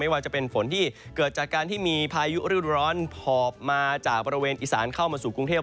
ว่าจะเป็นฝนที่เกิดจากการที่มีพายุฤดูร้อนหอบมาจากบริเวณอีสานเข้ามาสู่กรุงเทพ